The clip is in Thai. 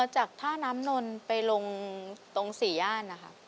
จากท่าน้ำนนไปลงตรงสี่ย่านนะครับ